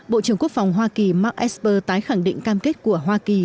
bộ trưởng quốc phòng hoa kỳ mark esper tái khẳng định cam kết của hoa kỳ